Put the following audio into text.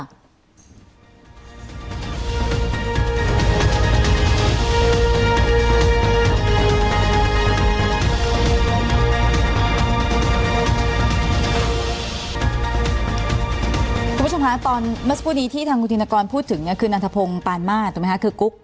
คุณผู้ชมคะตอนเมื่อสักครู่นี้ที่ทางคุณธินกรพูดถึงเนี่ยคือนันทพงศ์ปานมาสถูกไหมคะคือกุ๊ก